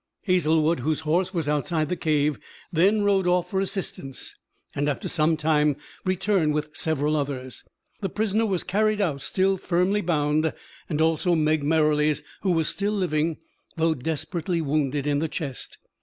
Hazlewood, whose horse was outside the cave, then rode off for assistance, and after some time returned with several others. The prisoner was carried out, still firmly bound, and also Meg Merrilies, who was still living, though desperately wounded in the chest.